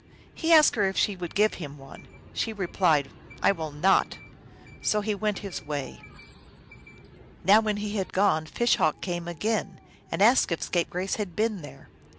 He asked her if she would give him one. She replied, " I will not." So he went his way. Now when he had gone Fish Hawk came again, and asked if Scapegrace had been there.